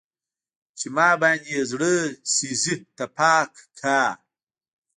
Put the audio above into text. چې ما باندې يې زړه سيزي تپاک کا